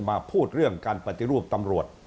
มาพูดเรื่องการปฏิรูปตำรวจ